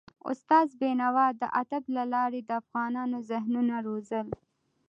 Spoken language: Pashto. استاد بينوا د ادب له لارې د افغانونو ذهنونه روزل.